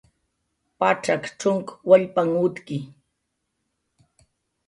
Pacxaq cxunk wallpanh utki